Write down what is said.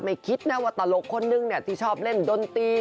คิดนะว่าตลกคนนึงที่ชอบเล่นดนตรี